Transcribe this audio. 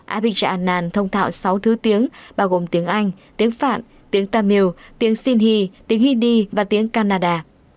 abhigya anand thông thạo sáu thứ tiếng bao gồm tiếng anh tiếng phạn tiếng tamil tiếng sinh tiếng hindi và tiếng canada